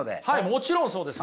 もちろんそうです。